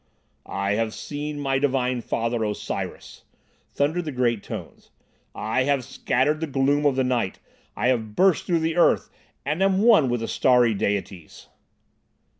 "I have seen my divine Father, Osiris," thundered the great tones. "I have scattered the gloom of the night. I have burst through the earth, and am one with the starry Deities!"